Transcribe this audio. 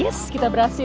yes kita berhasil